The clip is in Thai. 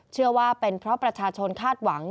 เชื่อว่าเป็นเพราะประชาชนคาดหวัง